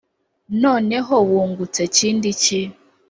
Noneho wungutse kindi ki ?